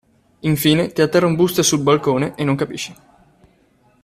Infine, ti atterra un booster sul balcone e non capisci.